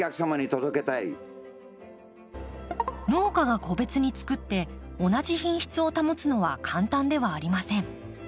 農家が個別につくって同じ品質を保つのは簡単ではありません。